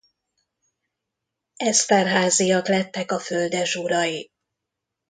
Eszterházyak lettek a földesurai.